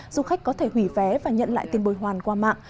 du khách có thể hủy vé và nhận lại tiền bồi hoàn qua mạng